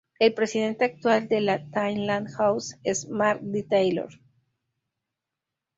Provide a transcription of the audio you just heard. El presidente actual de la Tyndale House es Mark D. Taylor.